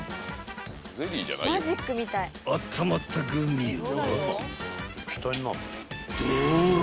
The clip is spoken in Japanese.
［あったまったグミは］